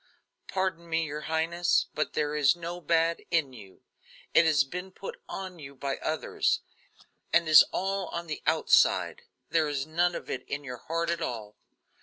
"Pardon me, your highness; but there is no bad in you. It has been put on you by others, and is all on the outside; there is none of it in your heart at all.